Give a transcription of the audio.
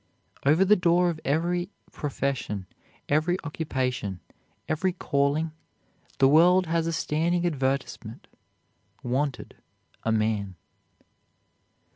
Over the door of every profession, every occupation, every calling, the world has a standing advertisement: "Wanted A Man."